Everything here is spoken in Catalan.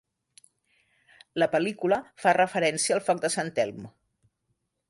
La pel·lícula fa referència al foc de Sant Elm.